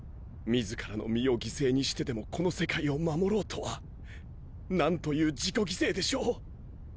自らの身を犠牲にしてでもこの世界を守ろうとはなんという自己犠牲でしょう！